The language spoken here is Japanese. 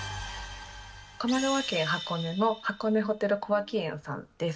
神奈川県箱根の箱根ホテル小涌園さんです。